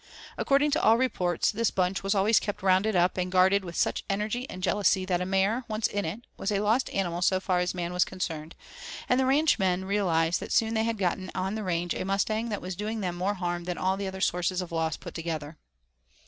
According to all reports, this bunch was always kept rounded up and guarded with such energy and jealously that a mare, once in it, was a lost animal so far as man was concerned, and the ranchmen realized soon that they had gotten on the range a mustang that was doing them more harm than all other sources of loss put together.